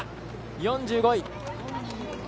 ４５位。